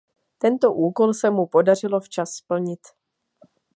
Tento úkol se mu podařilo včas splnit.